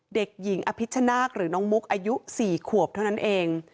เด็กหญิงอภิชนาคหรือน้องมุกอายุ๔ขวบเท่านั้นเอง